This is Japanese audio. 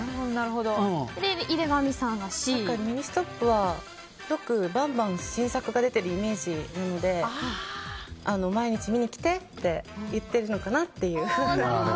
ミニストップはよくバンバン新作が出てるイメージなので毎日見に来てって言ってるのかなという。